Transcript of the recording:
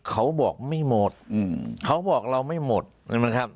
เขาบอกไม่หมดอืมเขาบอกเราไม่หมดใช่ไหมครับ